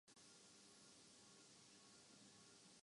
آج ذلیل وخوار ہیں۔